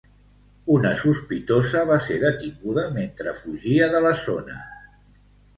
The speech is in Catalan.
Una sospitosa va ser detinguda mentre fugia de la zona.